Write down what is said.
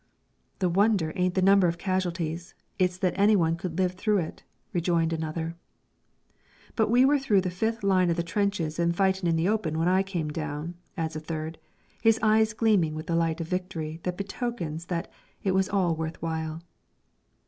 "The wonder ain't the number of casualties, it's that anyone could live through it," rejoined another. "But we were through the fifth line o' their trenches and fightin' in the open when I come down," adds a third, his eyes gleaming with the light of victory that betokens that it was all worth while.